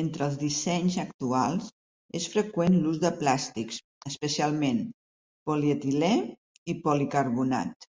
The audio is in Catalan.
Entre els dissenys actuals és freqüent l'ús de plàstics, especialment polietilè i policarbonat.